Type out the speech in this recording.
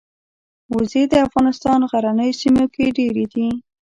وزې د افغانستان غرنیو سیمو کې ډېرې دي